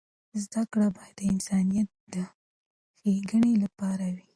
زده کړه باید د انسانیت د ښیګڼې لپاره وي.